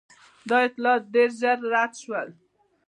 دا اطلاعات ډېر ژر رد شول.